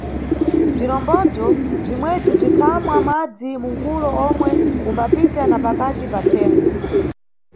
Bzirombo bzimwebzi bzikhamwa madzi munkulo omwe umbapita na pakati pathengo.